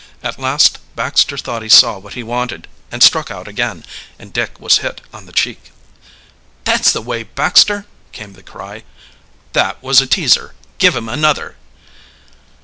At last Baxter thought he saw what he wanted, and struck out again, and Dick was hit on the cheek. "That's the way, Baxter!" came the cry. "That was a teaser! Give him another!"